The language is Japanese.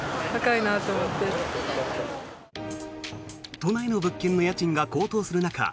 都内の物件の家賃が高騰する中